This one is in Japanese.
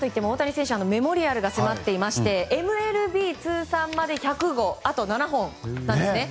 大谷選手はメモリアルが迫っていましてＭＬＢ通算１００号まであと７本なんです。